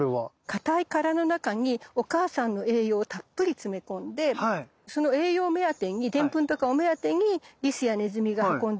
かたい殻の中にお母さんの栄養をたっぷり詰め込んでその栄養目当てにでんぷんとかを目当てにリスやネズミが運んで埋めるの。